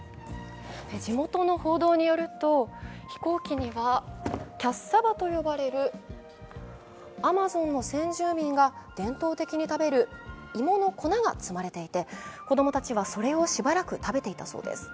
地元の報道によると、飛行機にはキャッサバと呼ばれるアマゾンの先住民が伝統的に食べる芋の粉が積まれていて子供たちはそれをしばらく食べていたそうです。